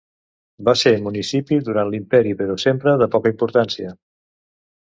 Va ser municipi durant l'imperi, però sempre de poca importància.